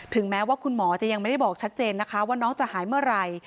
แม้ว่าคุณหมอจะยังไม่ได้บอกชัดเจนนะคะว่าน้องจะหายเมื่อไหร่